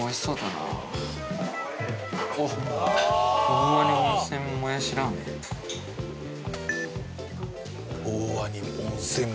大鰐温泉もやしラーメン